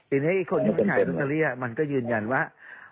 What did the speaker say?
ทีนี้คนที่ไปขายลอตเตอรี่มันก็ยืนยันว่า